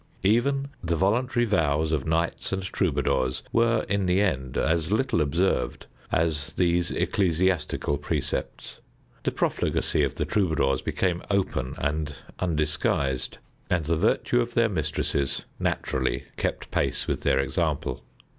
Even the voluntary vows of knights and troubadours were, in the end, as little observed as these ecclesiastical precepts. The profligacy of the Troubadours became open and undisguised, and the virtue of their mistresses naturally kept pace with their example.